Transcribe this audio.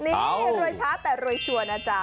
นี่รวยช้าแต่รวยชัวร์นะจ๊ะ